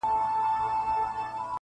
o چي یې ستا له زخمه درد و احساس راکړ,